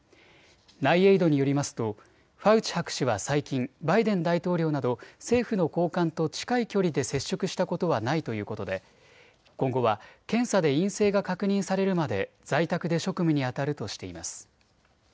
ＮＩＡＩＤによりますとファウチ博士は最近、バイデン大統領など政府の高官と近い距離で接触したことはないということで今後は検査で陰性が確認されるまで在宅で職務にあたるとしています。